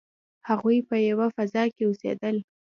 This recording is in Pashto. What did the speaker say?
هغوی په یوه فضا کې اوسیدل.